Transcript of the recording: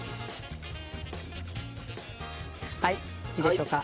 いいでしょうか。